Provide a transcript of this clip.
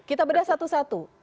kita bedah satu satu